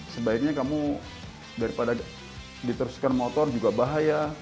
sebaiknya kamu daripada diteruskan motor juga bahaya